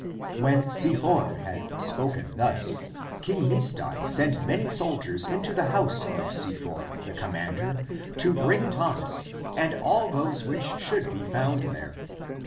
When Si for had spoken thus, King Misdai sent many soldiers into the house of Si for, the com mander, to bring Thomas, and all those which should be found there.